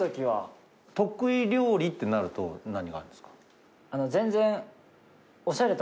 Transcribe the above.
得意料理ってなると何があるんですか？